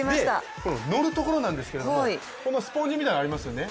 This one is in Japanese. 乗るところなんですけどこのスポンジみたいなのありますよね。